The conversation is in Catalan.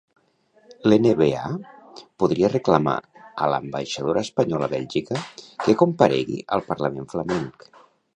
LN-VA podria reclamar a l'ambaixadora espanyola a Bèlgica que comparegui al parlament flamenc.